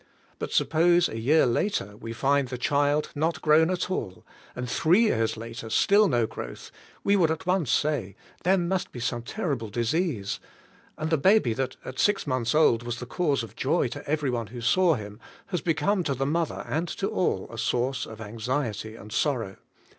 But suppose a year later we find the child not grown at all, and three years later still no growth ; we would at once say : "There must be some terrible disease;" and the baby that at six months old was the cause of joy to everyone who saw him, has become to the mother and to all a source of anxiety and sorrow.